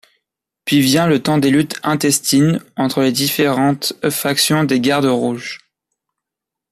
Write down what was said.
Puis vient le temps des luttes intestines entre les différentes factions des gardes rouges.